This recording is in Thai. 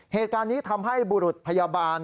เหตุการณ์นี้ทำให้บุรุษพยาบาล